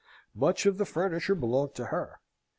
Much of the furniture belonged to her."